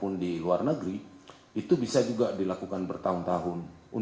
yang yang steam berharap membungkus internasional dem steering bahwa